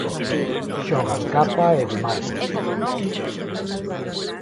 Xogan Capa e De Marcos.